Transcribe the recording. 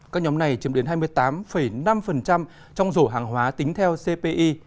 các nhóm này chiếm đến hai mươi tám năm trong rổ hàng hóa tính theo cpi